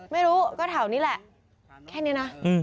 ไม่รู้ก็แถวนี้แหละแค่นี้นะ